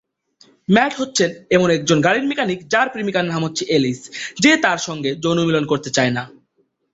Mat হচ্ছেন একজন গাড়ির মেকানিক যার প্রেমিকার নাম হচ্ছে এলিস যে তার সঙ্গে যৌনমিলন করতে চায়না।